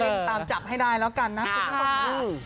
ให้เล็งตามจับให้ได้แล้วกันนะครับ